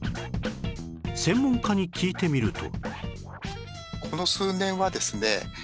専門家に聞いてみると